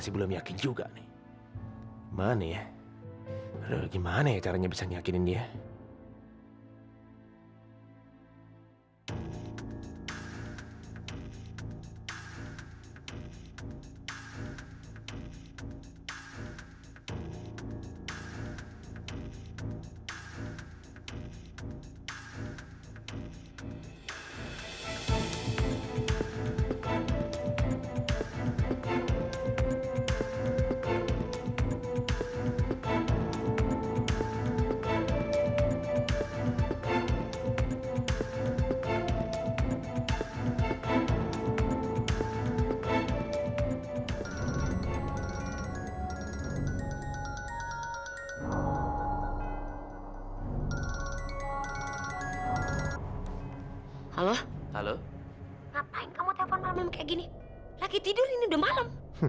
ketangan putri saya clio